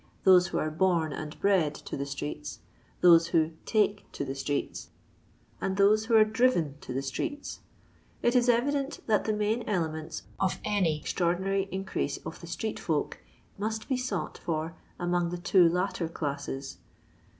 those who are horn and bred to the streets — those who take to the streets — and those who are drivm to the streets, it is evident that the main elements of any extraordinary in crease of the street folk must be sought for among the two latter classes.